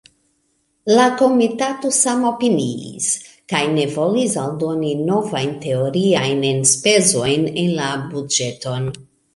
La Komitato samopiniis, kaj ne volis aldoni novajn teoriajn enspezojn en la buĝeton.